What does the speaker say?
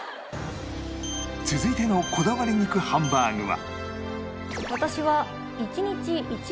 続いてのこだわり肉ハンバーグは